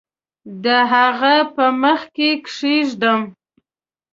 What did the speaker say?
د هغه په مخ کې کښېږدم